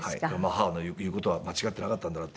母の言う事は間違ってなかったんだなって